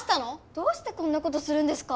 どうしてこんなことするんですか？